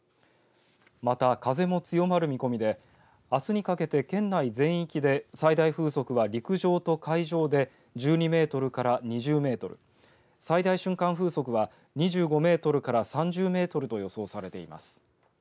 また風も強まる見込みであすにかけて県内全域で最大風速は陸上と海上で１２メートルから２０メートル、最大瞬間風速は２５メートルから３０メートルと予想されています。